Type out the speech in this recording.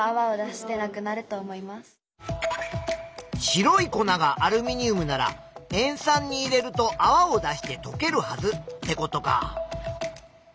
白い粉がアルミニウムなら塩酸に入れるとあわを出してとけるはずってことか。